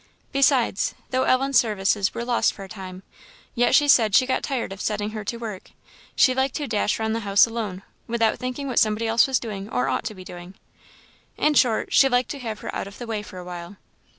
Besides, though Ellen's services were lost for a time, yet she said she got tired of setting her to work; she liked to dash round the house alone, without thinking what somebody else was doing or ought to be doing. In short, she liked to have her out of the way for a while.